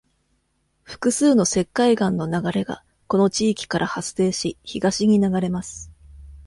複数の石灰岩の流れが、この地域から発生し、東に流れます。